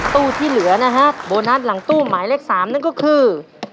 ตู้ที่เหลือนะฮะโบนัสหลังตู้หมายเลข๓นั่นก็คือ